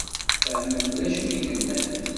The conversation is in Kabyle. Fehment d acu i d-nnant?